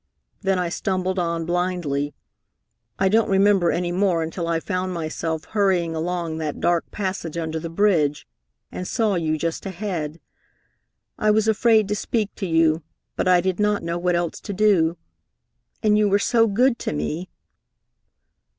Then I stumbled on blindly. I don't remember any more until I found myself hurrying along that dark passage under the bridge and saw you just ahead. I was afraid to speak to you, but I did not know what else to do, and you were so good to me